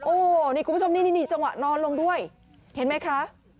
โอ้โหนี่คุณผู้ชมนี่นี่จังหวะนอนลงด้วยเห็นไหมคะ